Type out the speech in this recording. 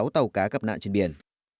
sáu tàu cá gấp nạn trên biển